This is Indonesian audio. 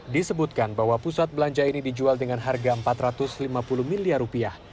disebutkan bahwa pusat belanja ini dijual dengan harga empat ratus lima puluh miliar rupiah